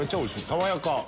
爽やか。